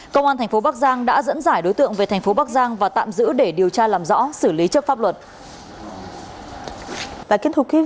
công an tp bắc giang đã dẫn giải đối tượng về tp bắc giang và tạm giữ để điều tra làm rõ xử lý chất pháp luật